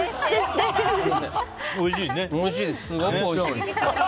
すごくおいしいです。